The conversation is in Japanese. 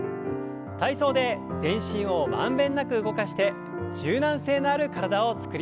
体操で全身を満遍なく動かして柔軟性のある体を作りましょう。